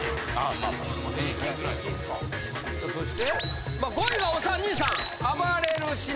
そして５位はお３人さん。